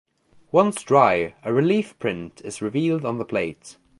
Once dry, a relief print is revealed on the plate.